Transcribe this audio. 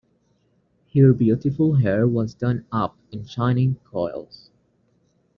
Her beautiful hair was done up in shining coils.